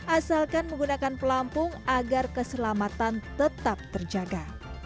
asalkan menggunakan pelampung agar keselamatan tetap terjaga